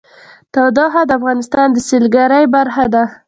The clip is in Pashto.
تودوخه د افغانستان د سیلګرۍ برخه ده.